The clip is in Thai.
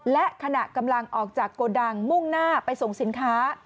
และขณะกำลังออกจากโกดังมุ่งหน้าไปส่งสินค้า